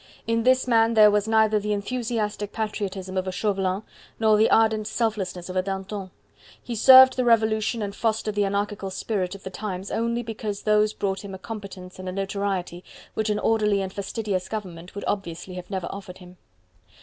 In this man there was neither the enthusiastic patriotism of a Chauvelin, nor the ardent selflessness of a Danton. He served the revolution and fostered the anarchical spirit of the times only because these brought him a competence and a notoriety, which an orderly and fastidious government would obviously have never offered him.